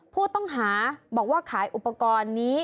ผู้ต้องหาบอกว่าขายอุปกรณ์นี้